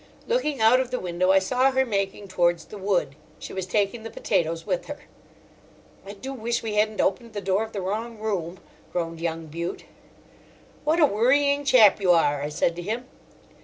Looking out of the window, I saw her making towards the wood. She was taking the potatoes with her. "I do wish we hadn't opened the door of the wrong room," groaned young Bute. "What a worrying chap you are!" I said to him.